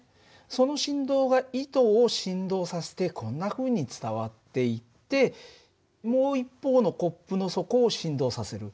その振動が糸を振動させてこんなふうに伝わっていってもう一方のコップの底を振動させる。